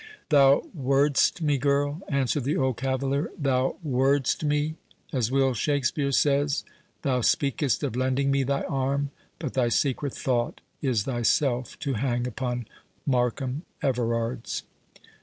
"Thou word'st me, girl," answered the old cavalier, "thou word'st me, as Will Shakspeare says—thou speakest of lending me thy arm; but thy secret thought is thyself to hang upon Markham Everard's."